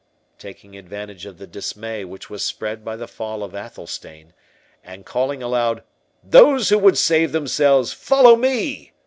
Taking advantage of the dismay which was spread by the fall of Athelstane, and calling aloud, "Those who would save themselves, follow me!"